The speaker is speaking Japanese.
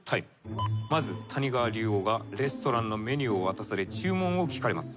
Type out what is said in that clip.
まず谷川竜王がレストランのメニューを渡され注文を聞かれます。